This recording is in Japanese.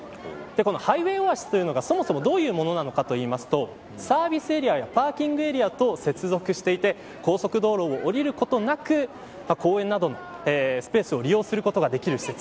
このハイウェイオアシスがそもそもどういうものなのかというとサービスエリアやパーキングエリアと接続していて高速道路を降りることなく公園などのスペースを利用することができる施設。